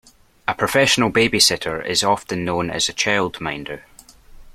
A professional babysitter is often known as a childminder